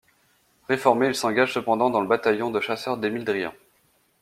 Réformé, il s'engage cependant dans le bataillon de chasseurs d'Emile Driant.